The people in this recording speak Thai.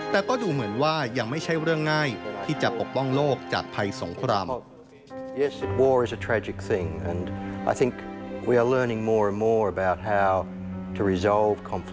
แต่ก็ดูเหมือนว่ายังไม่ใช่เรื่องง่ายที่จะปกป้องโลกจากภัยสงคราม